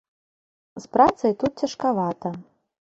З працай тут цяжкавата.